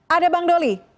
ada bang doli